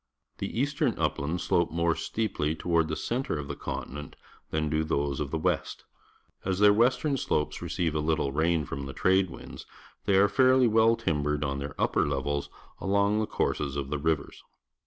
The eastern uplands slope more steeply toward the centre of the continent than do those of the west. As their western slopes receive a little rain from the trade winds, they are fairly well timbered on their upper levels along the courses of the rivers.